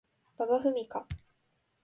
馬場ふみか